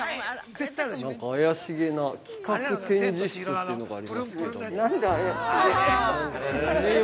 ◆何か怪しげな企画展示室というのがありますけども。